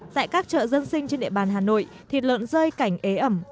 tại các chợ dân sinh trên địa bàn hà nội thịt lợn rơi cảnh ế ẩm